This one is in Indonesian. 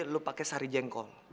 lu pake sari jengkol